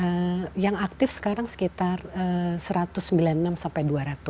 dan yang aktif sekarang sekitar satu ratus sembilan puluh enam sampai dua ratus